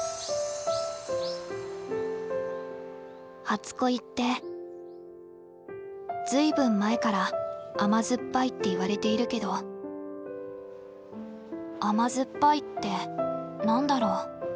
初恋って随分前から「甘酸っぱい」っていわれているけど甘酸っぱいって何だろう？